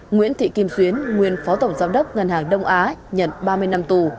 nguyễn thị kim xuyến nguyên phó tổng giám đốc ngân hàng đông á nhận ba mươi năm tù